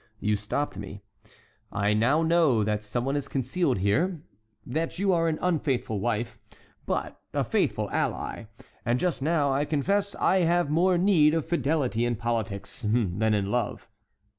You stopped me—I now know that some one is concealed here—that you are an unfaithful wife, but a faithful ally; and just now, I confess, I have more need of fidelity in politics than in love."